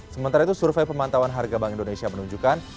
sementara itu survei pemantauan harga bank indonesia menunjukkan